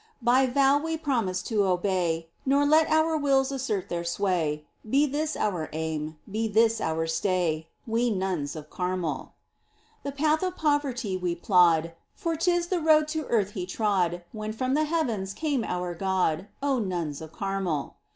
By vow we promised to obey Nor let our wills assert their sway : Be this our aim, be this our stay. We nuns of Carmel ! The path of poverty we plod. For 'tis the road to earth He trod When from the heavens came our God, O nuns of Carmel